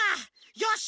よし！